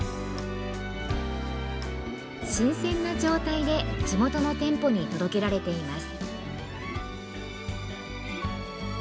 新鮮な状態で地元の店舗に届けられています。